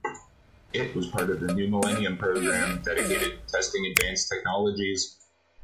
It was part of the New Millennium Program, dedicated to testing advanced technologies.